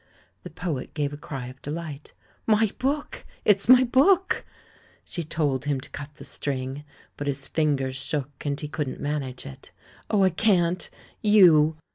The poet gave a cry of delight. "My book! It's my book!" She told him to cut the string; but his fingers shook and he couldn't manage it. "Oh, I can't! ... You!"